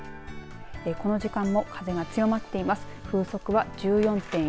この時間も風が強まっています。